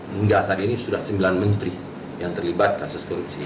hingga saat ini sudah sembilan menteri yang terlibat kasus korupsi